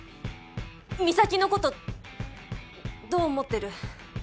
美咲のことどう思ってる？